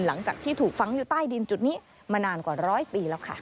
หลังจากที่ถูกฝังอยู่ใต้ดินจุดนี้มานานกว่าร้อยปีแล้วค่ะ